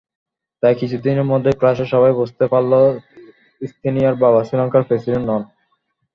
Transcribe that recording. তাই কিছুদিনের মধ্যেই ক্লাসের সবাই বুঝতে পারল সিন্থিয়ার বাবা শ্রীলঙ্কার প্রেসিডেন্ট নন।